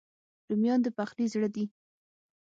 رومیان د پخلي زړه دي